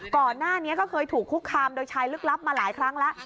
ก่อนหน้านี้ก็เคยถูกคุกคามโดยชายลึกลับมาหลายครั้งแล้ว